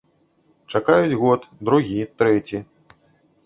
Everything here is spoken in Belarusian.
Чакаюць год, другі, трэці.